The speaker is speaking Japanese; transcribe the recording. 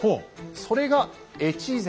それが越前